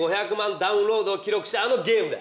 ダウンロードを記録したあのゲームだ。